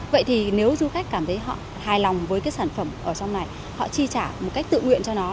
vậy thì nếu du khách cảm thấy họ hài lòng với cái sản phẩm ở trong này họ chi trả một cách tự nguyện cho nó